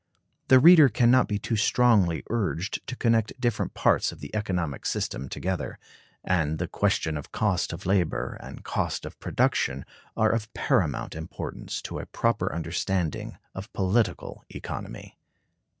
The reader can not be too strongly urged to connect different parts of the economic system together. And the questions of Cost of Labor and Cost of Production are of paramount importance to a proper understanding of political economy.